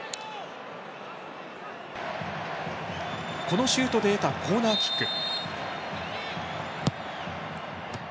このシュートで得たコーナーキック。